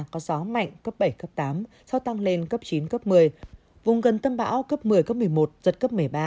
có gió mạnh cấp bảy tám sau tăng lên cấp chín một mươi vùng gần tâm bão cấp một mươi một mươi một giật cấp một mươi ba